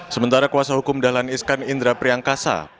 sementara kuhp dahlan iskan indra priangkasa